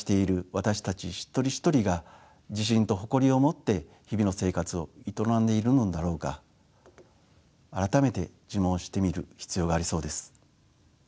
私たち一人一人が自信と誇りを持って日々の生活を営んでいるのだろうか改めて自問してみる必要がありそうです。